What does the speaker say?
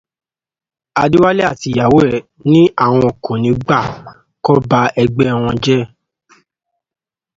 Adéwálé àti ìyàwó ẹ̀ ní àwọn kò ní gbà kó ba ẹgbẹ wọn jẹ